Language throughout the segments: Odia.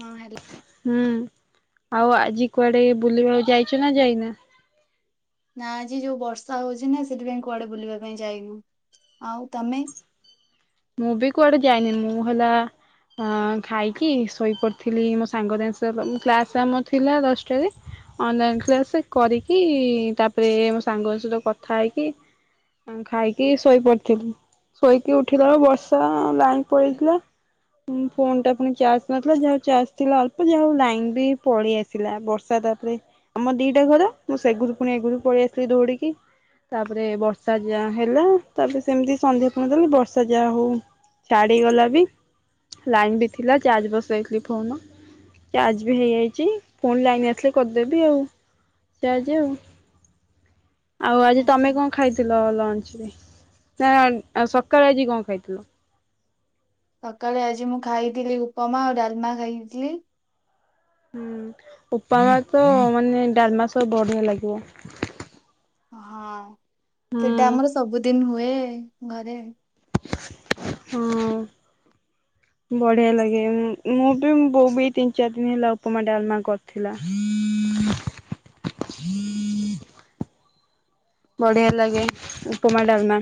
ହଁ ହେଲୋ। ହୁଁ, ଆଉ ଆଜି କୁଆଡେ ବୁଲିବାକୁ ଯାଇଚ ନା ଯାଇନା? ନା ଆଜି ଯୋଉ ବର୍ଷା ହଉଛି ନା ସେଥିପାଇଁ କୁଆଡେ ବୁଲିବା ପାଇଁ ଯାଇନୁ। ଆଉ ତୋମେ? ମୁଁ ବି କୁଆଡେ ଯାଇନି। ମୁଁ ହେଲା ଅ, ଖାଇକି ଶୋଇପଡିଥିଲି। ମୋ ସାଙ୍ଗ ଯାଇସେଲ ମୁଁ କ୍ଲାସ୍ ଟା ଆମ ଥିଲା ଦଶଟାରେ ଅନଲାଇନ୍ କ୍ଲାସ୍ କରିକି। ତାପରେ ମୋ ସାଙ୍ଗ ସହିତ କଥା ହେଇକି ଅଁ, ଖାଇକି ଶୋଇପଡିଥିଲି। ଶୋଇକି ଉଠ ଉଠିଲା ବେଳେ ବର୍ଷା, ଲାଇନ୍ ପଳେଇଥିଲା। ଉଁ, ଫୋନ୍ ଟା ପୁଣି ଚାର୍ଜ ନଥିଲା ଯା ହଉ ଚାର୍ଜ ଥିଲା ଅଳ୍ପ ଯାହା ହଉ ଲାଇନ୍ ବି ପଳେଇ ଆସିଲା। ବର୍ଷା ତାପରେ ଆମ ଦିଟା ଘର। ମୁଁ ସେଘରୁ ପୁଣି ଏ ଘରକୁ ପଳେଇ ଆସଥିଲି ଦୌଡିକି। ତାପରେ ବର୍ଷା ଯାହା ହେଲା ତାପରେ ସେମିତି ସନ୍ଧ୍ୟା କଣ ଦେଲି ବର୍ଷ ସେ ଯା ହଉ ଛାଡିଗଲା ବି। ଲାଇନ୍ ବି ଥିଲା ଚାର୍ଜ ବସାଇଥିଲି ଫୋନ୍। ଚାର୍ଜ ବି ହେଇଯାଇଚି। ପୁଣି ଲାଇନ୍ ଆସିଲେ କରିଦେବି ଆଉ ଚାର୍ଜ ଆଉ। ଆଉ ଆଜି ତମେ ଆଚ୍ଛା କଣ ଖାଇଥିଲ ଲଞ୍ଚରେ ନାଆ-ଆ ଅ ସକ୍ ସକାଳେ ଆଜି କଣ ଖାଇଥିଲ? ସକାଳେ ଆଜି ମୁଁ ଖାଇଥିଲି ଉପମା ଆଉ ଡାଲମା ଖାଇଥିଲି। ହୁଁ ଉପମା ତ ମାନେ ଡାଲମା ସହ ବଢିଆ ଲାଗିବ। ହଁ ସେଟା ହୁଁ ଆମର ସବୁଦିନ ହୁଏ ଘରେ। ହୁଁ। ବଢିଆ ଲାଗେ ଉଁ-ଉଁ ମୁଁ ବି ମୋ ବୋଉ ବି ତିନି ଚାରି ଦିନ ହେଲା ଉପମା ଡାଲମା କରିଥିଲା। ହୁଁ ହୁଁହୁଁ। ବଢିଆ ଲାଗେ ଉପମା ଡାଲମା।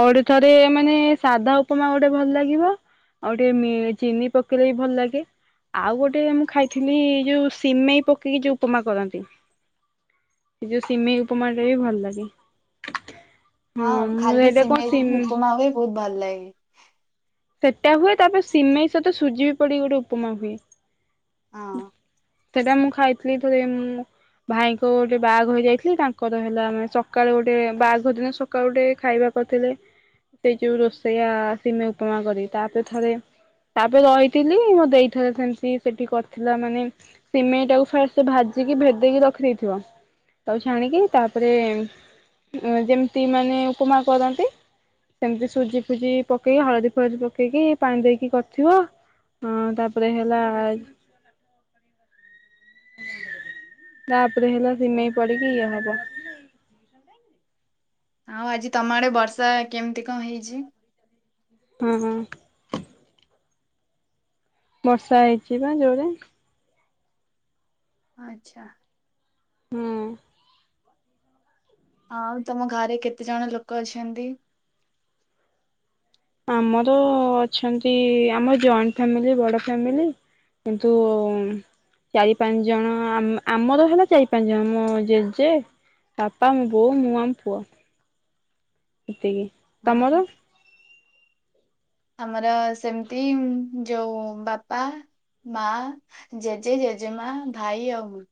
ଆଉ ଗୋଟେ ଥରେ ମାନେ ସାଧା ଉପମା ଗୋଟେ ଭଲ ଲାଗିବ। ଆଉ ଟିକେ ମି ଚିନି ପକେଇଲେ ବି ଭଲ ଲାଗେ। ଆଉ ଗୋଟେ ମୁଁ ଖାଇଥିଲି ଯୋଉ ସିମେଇ ପକେଇକି ଯୋଉ ଉପମା କରନ୍ତି। ସେ ଯୋଉ ସିମେଇ ଉପମାଟା ବି ଭଲ ଲାଗେ। ହଁ ମୁଁ ଖାଲି ଏଇଟା କଣ ସିମେଇରେ ସିମ୍ ବି ଉପମା ହୁଏ ବହୁତ ଭଲ ଲାଗେ। ସେଟା ହୁଏ ତାପରେ ସିମେଇ ସହିତ ସୁଜି ବି ପଡି ଗୋଟେ ଉପମା ହୁଏ। ହଁ। ସେଟା ମୁଁ ଖାଇଥିଲି ଥରେ ଉମ୍ ଭାଇଙ୍କ ଗୋଟେ ବାହାଘର ଯାଇଥିଲି ତାଙ୍କର ହେଲା ସକାଳୁ ଗୋଟେ ବାହାଘର ଦିନ ସକାଳୁ ଗୋଟେ ଖାଇବା। କରିଥିଲେ, ସେ ଯୋଉ ରୋଷେଇଆ-ଆ-ଆ ସିମେଇ ଉପମା କରି ତାପରେ ଥରେ ତାପରେ ରହିଥିଲି ମୋ ଦେଈ ଥରେ ସେମିତି ସେଠି କର୍ ଥିଲା ମାନେ ସିମେଇଟାକୁ ଫାଷ୍ଟ୍ ଭାଜିକି ଭେଦେଇକି ରଖିଦେଇଥିବ। ତାକୁ ଛାଣିକି ତାପରେ ଯେମିତି ମାନେ ଉପମା କରନ୍ତି। ସେମିତି ସୁଜି ଫୁଜି ପକେଇ ହଳଦୀ ଫଳଦୀ ପକେଇକି ପାଣି ଦେଇକି କରିଥିବ। ହଁ ତାପରେ ହେଲା ତାପରେ ହେଲା ସିମେଇ ପଡିକି ଇଏ ହବ। ଆଉ ଆଜି ତମ ଆଡେ ବର୍ଷା କେମିତି କଣ ହେଇଚି? ହୁଁ ହୁଁ। ବର୍ଷା ହେଇଛି ପା ଜୋରରେ। ଆଚ୍ଛା। ହୁଁ। ଆଉ ତମ ଘରେ କେତେ ଜଣ ଲୋକ ଅଛନ୍ତି? ଆମର ଅଛନ୍ତି ଆମ ଜଏଣ୍ଟ ଫ୍ୟାମିଲି ବଡ ଫ୍ୟାମିଲି। କିନ୍ତୁ ଚାରି ପାଞ୍ଚ ଜଣ, ଆମ ଆମର ହେଲା ଚାରି ପାଞ୍ଚ ଜଣ ମୋ ଜେଜେ। ବାପା ମୋ ବୋଉ ମୁଁ ଆମ ପୁଅ ଏତିକି। ହଁ ତମର ହଁ। ଆମର ସେମିତି ଯୋଉ ବାପା ମାଆ ଜେଜେ ଜେଜେମା ଭାଇ ଆଉ ମୁଁ।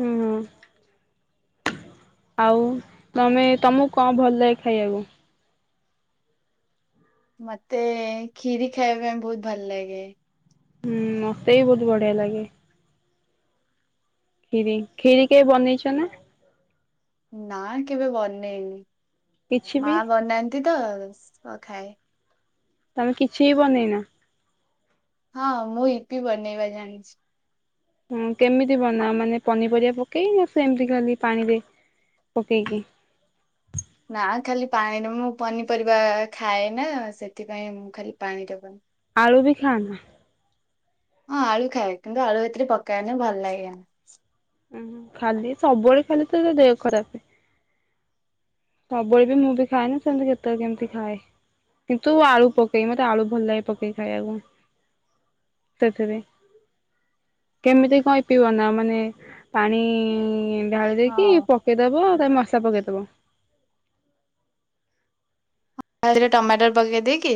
ହୁଁହୁଁ। ଆଉ ତମେ ତମକୁ କଣ ଭଲ ଲାଗେ ଖାଇବାକୁ? ମତେ କ୍ଷୀରି ଖାଇବା ପାଇଁ ବହୁତ ଭଲ ଲାଗେ। ହୁଁଉ-ଉ ମତେ ବି ବହୁତ ବଢିଆ ଲାଗେ। କ୍ଷୀରି, କ୍ଷୀରି କେବେ ବନେଇଛ ନା? ନା କେବେ ବନେଇନି, କିଛି ବି ମାଆ ବନାନ୍ [inaudible] ତ, ତ ଖାଏ। ତମେ କିଛି ବନେଇନ? ହଁ ମୁଁ ଇପି ବନେଇବା ଜାଣିଛି। ହୁଁ କେମିତି ବନାଅ ମାନେ ପନିପରିବା ପକେଇକି ନା ସେମିତି ଖାଲି ପାଣିରେ? ପକେଇକି। ନା ଖାଲି ପାଣିରେ ମୁଁ ପନିପରିବା ଖାଏ ନା ସେଥିପାଇଁ ମୁଁ ଖାଲି ପାଣିରେ ଆଳୁ ବି ଖାଅନା? ହଁ ଆଳୁ ଖାଏ କିନ୍ତୁ ଆଳୁ ଏଥିରେ ପକାଏନି ଭଲ ଲାଗେନି। [unintelligible] ଖାଲି ସବୁବେଳେ ଖାଲି ତୋର ଦେହ ଖରାପ୍। ସବୁବେଳେ ବି ମୁଁ ବି ଖାଏନି ସେମତି କେତେବେଳେ କେମିତି ଖାଏ। କିନ୍ତୁ ଆଳୁ ପକେଇି ମତେ ଆଳୁ ଭଲ ଲାଗେ ପକେଇକି ଖାଇବାକୁ। [unintelligible] କେମିତି କହି ପିଇବ ନା ମାନେ ପାଣି ଢ଼ାଳି ଦେଇକି ହଁ ପକେଇଦବ ତା ମଶଲା ପକେଇଦବ। [inaudible] ତା ଦେହରେ ଟମାଟର ପକେଇ ଦେଇକି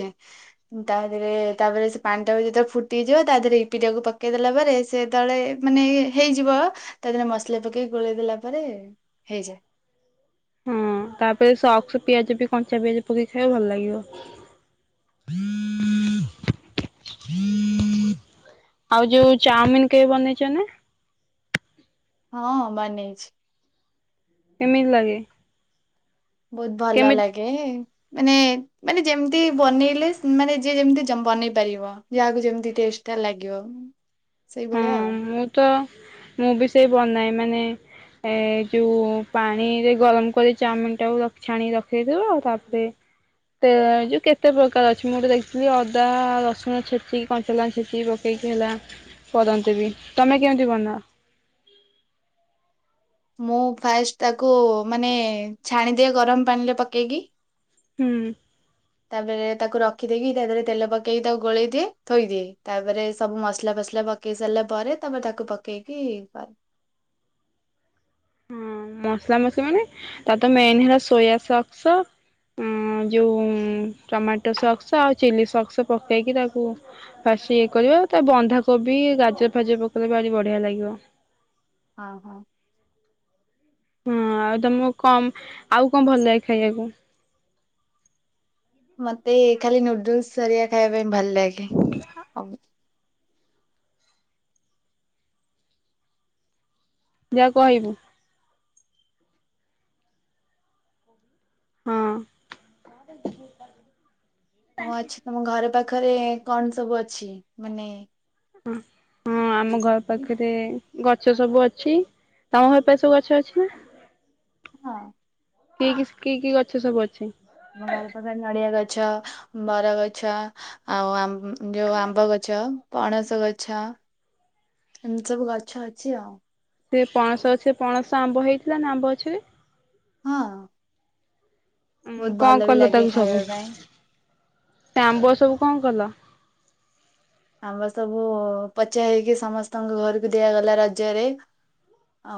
ତା ଦେହରେ ତାପରେ ସେ ପାଣି ଟା ଯେତେବେଳେ ଫୁଟିଯିବ ତା ଦେହରେ [unintelligible] କୁ ପକେଇଦେଲା ପରେ ସେ ତଳେ ମାନେ ହେଇଯିବ ତା ଦେହରେ ମସଲା ପକେଇକି ଗୋଳେଇଦେଲା ପରେ ହେଇଯାଏ। ହଁ ତାପରେ ସକ୍ସ ପିଆଜ ବି କଞ୍ଚା ପିଆଜ ପକେଇ ଖାଇବ ଭଲ ଲାଗିବ। [inaudible] ଆଉ ଯୋଉ ଚାଉମିନି କେବେ ବନେଇଚ ନା? ହଁ ବନେଇଛି। କେମିତି ଲାଗେ? ବହୁତ୍ ଭଲ କେମିତି ଲାଗେ। ମାନେ ମାନେ ଯେମିତି ବନେଇଲେ ମାନେ ଯିଏ ଯେମିତି ବନେଇ ପାରିବ ଯାହାକୁ ଯେମତି ଟେଷ୍ଟ [unintelligible] ଲାଗିବ ହଁ ସେଇଭଳିଆ ଆଉ। ମୁଁ ତ ମୁଁ ବି ସେଇ ବନାଏ ମାନେ ଏ ଯୋଉ ପାଣିରେ ଗରମ କରି ଚାଉମିନ ଟାକୁ ଛାଣି ରଖଦେଇଥିବ ତାପରେ [unintelligible] କେତେ ପ୍ରକାର ଅଛି ମୁଁ ଗୋଟେ ଦେଖିଥିଲି ଅଦା ରସୁଣ ଛେଚିକି କଞ୍ଚଲଙ୍କା ଛେଚି ପକେ ହେଲା [unintelligible] ବି ତମେ କେମିତି ବନାଅ? ମୁଁ ଫାଷ୍ଟ୍ ତାକୁ ମାନେ ଛାଣିଦିଏ ଗରମ ପାଣିରେ ପକେଇକି। ହୁଁ। ତାପରେ ତାକୁ ରଖିଦେଇକି ତା ଦେହରେ ତେଲ ପକେଇକି ତାକୁ ଗୋଳେଇ ଦିଏ ଥୋଇଦିଏ ତାପରେ ସବୁ ମସଲା ମସଲା ପକେଇ ସାରିଲା ପରେ ତମେ ତାକୁ ପକେଇକି କ ହଁ ମସଲା [unintelligible] ମାନେ ତା ତ ମେନ୍ ହେଲା ସୋୟା ସସ୍ ଉଁ ଯୋଉ ଟମାଟୋ ସକ୍ସ୍ ଆଉ ଚିଲି ସକ୍ସ୍ ପକେଇକି ତାକୁ ସେ ଇଏ କରିବ ତା ବନ୍ଧାକୋବି ଗାଜର ଫାଜରେ ପକେଇଲେ ଭାରି ବଢ଼ିଆ ଲାଗିବ। ହଁ ହଁ। ହଁ ଆଉ ତମକୁ କଣ ଆଉ କଣ ଭଲ ଲାଗେ ଖାଇବାକୁ? ମତେ ଖାଲି ନୁଡୁଲୁସ୍ ହେରିଆ ଖାଇବା ପାଇଁ ଭଲ ଲାଗେ। ଯାହା କହିବୁ। ହଁ। ମୁଁ ଅଛି ତମ ଘର ପାଖରେ କଣ ସବୁ ଅଛି ମାନେ ଅ ହଁ ଆମ ଘର ପାଖରେ ଗଛ ସବୁ ଅଛି ତମ ଘର ପାଖରେ ସବୁ ଗଛ ଅଛି ନା? ହଁ। କି କି କି କି ଗଛ ସବୁ ଅଛି? ଆମ ବାରି ପାଖରେ ନଡ଼ିଆ ଗଛ, ବରଗଛ ଆଉ ଆ ଯୋଉ ଆମ୍ବ ଗଛ। ପଣସ ଗଛ ଏମିତି ସବୁ ଗଛ ଅଛି ଆଉ। ସେ ପଣସ ଗଛରେ ପଣସ ଆମ୍ବ ହେଇଥିଲା ନା ଆମ୍ବ ଗଛରେ ହଁ। ଉଁ ବହୁତ କଣ ଭଲ ବି କଲ ଲାଗେ ତାକୁ ସବୁ ଖାଇବା ପାଇଁ। ସେ ଆମ୍ବ ସବୁ କଣ କଲ? ଆମ୍ୱ ସବୁ ପଚି ହେଇକି ସମସ୍ତଙ୍କ ଘରୁକୁ ଦିଆଗଲା ରଜରେ।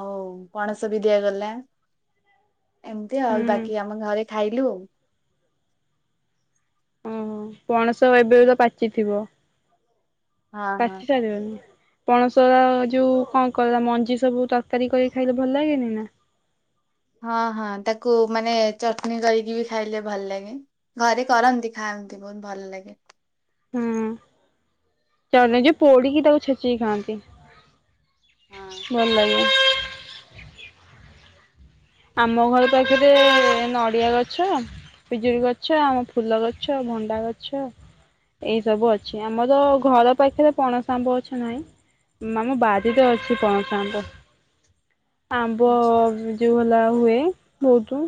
ଆଉ ପଣସ ବି ଦିଆଗଲା। ଏମତି ଆଉ ହୁଁ ବାକି ଆମ ଘରେ ଖାଇଲୁ। ଅଁ ପଣସ ଏବେ ତ ପାଚିଥିବ ହଁ ହଁ ପାଚି ସାରିବନି। ପଣସର ଯୋଉ କଁ କଲ ମଞ୍ଜି ସବୁ ତରକାରୀ କରି ଖାଇଲେ ଭଲ ଲାଗେନେଇ ନାଁ? ହଁ ହଁ ତାକୁ ମାନେ ଚଟଣୀ କରକି ବି ଖାଇଲେ ଭଲ ଲାଗେ ଘରେ କରନ୍ତି ଖା ମତେ ବହୁତ୍ ଭଲ ଲାଗେ। ହୁଁ ଚାଲୁଚି ପୋଡ଼ିକି ତାକୁ ଛେଚିକି ଖାଆନ୍ତି। ହଁ ଭଲ ଲ ଆମ ଘର ପାଖରେ ନଡ଼ିଆ ଗଛ ପିଜୁଳି ଗଛ ଆମ ଫୁଲ ଗଛ, ଭଣ୍ଡା ଗଛ ଏଇ ସବୁ ଅଛି ଆମର ଘର ପାଖେରେ ପଣସ ଆମ୍ବ ଗଛ ନାହିଁ। ମା ମ ବାରିରେ ଅଛି ପଣସ ଆମ୍ବ। ଆମ୍ବ ଯୋଉ ଲା ହୁଏ ବୋହୁତୁ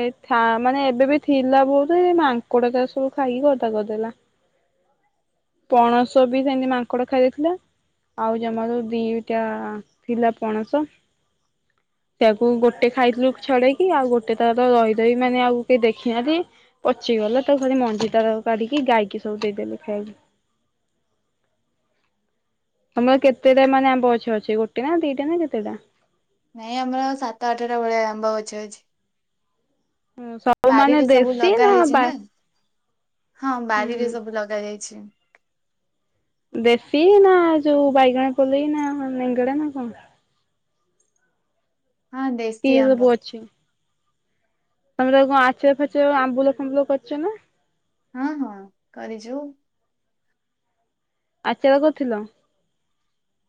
ଏ ଥା ମାନେ ଏବେ ବି ଥିଲା ବୋହୁତୁ ଏ ମାଙ୍କଡ଼ ତ ସବୁ ଖାଇକି ଗଦା କରଦେଲା। ହ ପଣସ ବି ସେନ୍ତି ମାଙ୍କଡ଼ ଖାଇ ଦେଇଥିଲେ। ଆଉ ଜମାର ଦିଟା ଥିଲା ପଣସ। ସେୟାକୁ ଗୋଟେ ଖାଇଥିଲୁ ଛଡ଼େଇକି ଆଉ ଗୋଟେ ତାର ରହି ରହି ମାନେ ଆଉ କେହି ଦେଖିନହାନ୍ତି ପଚିଗଲା ତାକୁ ଖାଲି ମ ଜିତାର କାଢ଼ିକି ଗାଈକି ସବୁ ଦେଇଦେଲେ ଖାଇବାକୁ। ତମର କେତେଟା ମାନେ ଆମ୍ବ ଗଛ ଅଛି ଗୋଟେ ନାଁ ଦିଟା ନାଁ କେତେଟା? ନାଇଁ ଆମର ସାତ ଆଠଟା ଭଳିଆ ଆମ୍ବ ଗଛ ଅଛି। ସବୁ ମାନେ ବାରିରେ ସବୁ ଦେଶୀ ଲଗା ନା ହେଇଚି ବା ନାଁ। ହଁ ହୁଁ ବାରିରେ ସବୁ ଲଗା ଯାଇଛି। ଦେଶୀ ନାଁ ଯୋଉ ବାଇଗଣ ପଲେଇ ନାଁ ନେଙ୍ଗଡ଼ା ନାଁ କଣ? ହଁ କି ଦେଶୀ ଆମ୍ବ। ତମର କଁ ଆଚା ଫାଚା ଆମ୍ବୁଲ ଫାମ୍ବୁଲ କରିଚ ନାଁ? ହଁ ହଁ କରିଚୁ। ଆଚାର କରଥିଲ?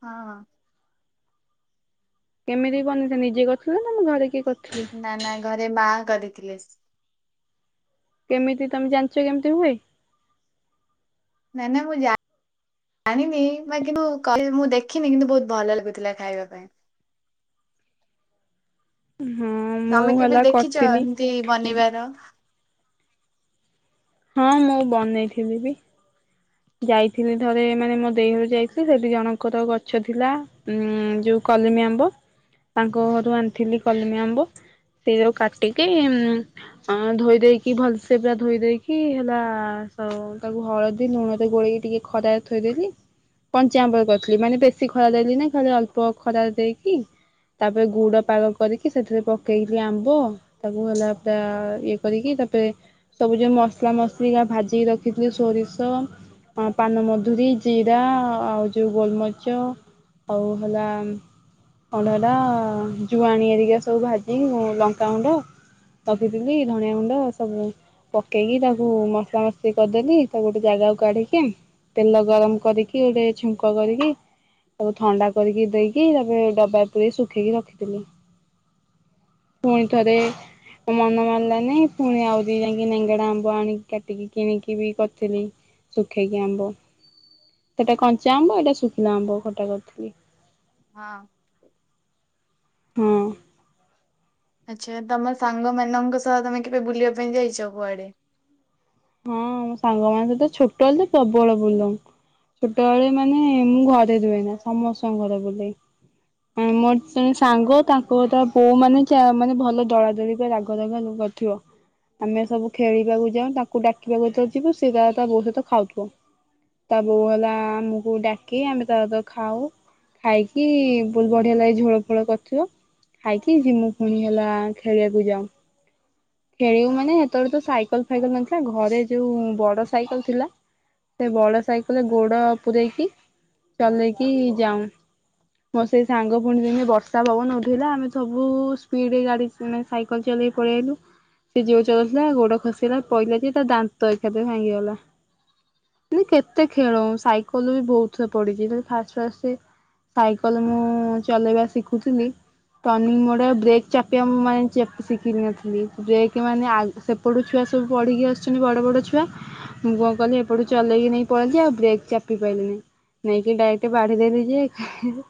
ହଁ। କେମିତି ବନେଇଥ ନିଜେ କରଥିଲ ନାଁ ଘରେ କିଏ କ ନାଁ ନାଁ ଘରେ ମା କରିଥିଲେ। କେମିତି ତମେ ଜାଣଚ କେମିତି ହୁଏ? ନଁ ନାଁ ମୁଁ ଜା ଆଣିନି ବା କିନ୍ତୁ କହିବି ମୁଁ ଦେଖିନି କିନ୍ତୁ ବୋହୁତ ଭଲ ଲାଗୁଥୁଲା ଖାଇବା ପାଇଁ। ହଁ ମୁଁ ତମେ କେବେ ହେଲା ଦେଖିଚ କରିଥିଲି ଏମିତି ବନେଇବାର? ହଁ ମୁଁ ବନେଇଥିଲି ବି। ଯାଇଥିଲି ଥରେ ମାନେ ମୋ ଦେଇ ହରୁ ଯାଇଥିଲି ସେଠି ଜଣଙ୍କର ଗଛ ଥିଲା ଉଁ ଯୋଉ କଲିମି ଆମ୍ବ ତାଙ୍କ ହରୁ ଆଣିଥିଲି କଲମି ଆମ୍ବ। ସେଇ ଯଉ କାଟିକି ଅଁ ଧୋଇ ଦେଇକି ଭଲସେ ପୁରା ଧୋଇ ଦେଇକି ହେଲା ସ ତାକୁ ହଳଦୀ ଲୁଣରେ ଗୋଳେଇକି ଟିକେ ଖରାରେ ଥୋଇଦେଇକି କଞ୍ଚା ଆମ୍ବରେ କରିଥିଲି ମାନେ ବେଶୀ ଖରା ଦେଲିନେଇ ଖାଲି ଅଳ୍ପ ଖରା ଦେଇକି ତାପରେ ଗୁଡ଼ ପାଗ କରିକି ସେଥିରେ ପକେଇଥିଲି ଆମ୍ବ ତାକୁ ହେଲା ପୁରା ଇଏ କରିକି ତାପରେ ସବୁ ଯୋଉ ମସଲା ମସଲିଗା ଭାଜିକି ରଖିଥିଲି ଷୋରିଷ ହଁ ପାନମଧୁରୀ ଜିରା ଆଉ ଯୋଉ ଗୋଲମରିଚ। ଆଉ ହେଲା ଅଣ୍ଡା ଟା ଜୁଆଣି ଏରିକା ସବୁ ଭାଜି ଲଙ୍କାଗୁଣ୍ଡ ତବିଥିଲି ଧଣିଆ ଗୁଣ୍ଡ ସବୁ। ପକେଇକି ତାକୁ ମସା ମସ୍ତି କରିଦେଲି ତାକୁ ଗୋଟେ ଜାଗାକୁ କାଢିକି କି ତେଲ ଗରମ କରିକି ଗୋଟେ ଛୁଙ୍କ କରିକି ତାକୁ ଥଣ୍ଡା କରିକି ଦେଇକି ତାପରେ ଡବା ପୁରେଇ ଶୁଖେଇକି ରଖିଥିଲି। ପୁଣି ଥରେ। ମୋ ମନ ମାନିଲାନି ପୁଣି ଆଉ ଦି ଯାଇଁକି ନେଙ୍ଗଡା ଆମ୍ବ ଆଣିକି କାଟିକି କିଣିକି ବି କରିଥିଲି। ଶୁଖେଇକି ଆମ୍ବ ସେଇଟା କଞ୍ଚା ଆମ୍ବ ଏଇଟା ଶୁଖିଲା ଆମ୍ବ ଖଟା କରିଥିଲି। ହଁ। ହୁଁ। ଆଚ୍ଛା ତମ ସାଙ୍ଗ ମାନଙ୍କ ସହ ତମେ କେବେ ବୁଲିବା ପାଇଁ ଯାଇଚ କୁଆଡେ? ହଁ ମୋ ସାଙ୍ଗ ମାନଙ୍କ ସହିତ ଛୋଟ ବେଳେ ତ ପ୍ରବଳ ବୁଲୁ ଆମେ। ଛୋଟବେଳେ ମାନେ ମୁଁ ଘରେ ରୁହେନା ସମସ୍ତଙ୍କ ଘରେ ବୁଲେଇ। ମୋର ତେଣେ ସାଙ୍ଗ ତାଙ୍କ ତା ବୋଉ ମାନେ ଯା ମାନେ ଭଲ ଦଳାଦଳି ପାଇଁ ରାଗୁଆ ରାଗୁଆ ଲୁଣି କରିଥିବ। ଆମେ ସବୁ ଖେଳିବାକୁ ଯାଉଁ ତା କୁ ଡାକିବାକୁ ଯେତେବେଳେ ଯିବୁ ସେଇଟା ତା ବୋଉ ସହିତ ଖାଉଥିବ। ତା ବୋଉ ହେଲା ଆମୁକୁ ଡାକି ଆମେ ତା ସହିତ ଖାଉଁ। ଖାଇକି ବହୁତ ବଢିଆ ଲାଗେ ଝୋଳ ଫୋଳ କରିଥିବ। ଖାଇକି ଯିମୁ ପୁଣି ହେଲା ଖେଳିବାକୁ ଯାଉଁ। ଖେଳିବୁ ମାନେ ସେତବେଳେ ତ ସାଇକେଲ ଫାଇକେଲ ନଥିଲା ଘରେ ଯୋଉ ବଡ ସାଇକେଲ ଥିଲା। ସେ ବଡ ସାଇକେଲରେ ଗୋଡ ପୂରେଇକି ଚଲେଇକି ଯାଉଁ। ମୋ ସେଇ ସାଙ୍ଗ ପୁଣି ଦିନେ ବର୍ଷା ପବନ ଉଠେଇଲା ଆମେ ସବୁ ସ୍ପିଡରେ ଗାଡି ମାନେ ସାଇକେଲ ଚଲ୍ ଚଲେଇ ପଳେଇ ଆଇଲୁ। ସେ ଯୋର୍ ଚଲଉଥିଲା ଗୋଡ ଖସିଲା। ପଇଲା ଯେ ତା ଦାନ୍ତ ଏକାଥରେ ଭାଙ୍ଗିଗଲା। ଉଁ କେତେ ଖେଳଉ ସାଇକେଲ ବି ବହୁତଥର ପଡିଚି କିନ୍ତୁ ଫାଷ୍ଟ ଫାଷ୍ଟ ସାଇକଲ ମୁଁ ଚଲେଇବା ଶିଖୁଥିଲି। ଟର୍ନିଂ ମୋଡରେ ବ୍ରେକ୍ ଚାପିବା ମୁ ମାନେ ଶିଖି ନଥିଲି ବ୍ରେକ ମାନେ ଆଉ ସେପଟୁ ଛୁଆ ସବୁ ପଢ଼ିକି ଆସୁଛନ୍ତି ବଡ଼ ବଡ଼ ଛୁଆ। ମୁଁ କଣ କଲି ଏପଟୁ ଚଲେଇକି ନେଇକି ପଳେଇଲି ଯେ ଆଉ ବ୍ରେକ୍ ଚାପି ପାଇଲି ନି। ନେଇକି ଡାଇରେକ୍ଟ ବାଢିଦେଲୁ ଯେ ହେଁ ହେଁ